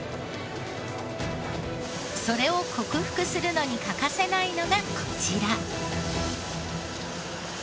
それを克服するのに欠かせないのがこちら。